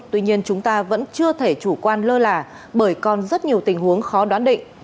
tuy nhiên chúng ta vẫn chưa thể chủ quan lơ là bởi còn rất nhiều tình huống khó đoán định